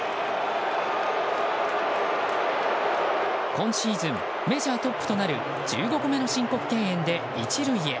今シーズンメジャートップとなる１５個目の申告敬遠で１塁へ。